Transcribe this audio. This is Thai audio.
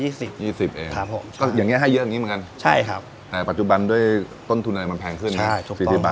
๒๐เองก็อย่างนี้ให้เยอะอย่างนี้เหมือนกันแต่ปัจจุบันด้วยต้นทุนอะไรมันแพงขึ้นเนี่ย